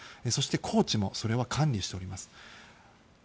そしてコーチもそれは管理しております。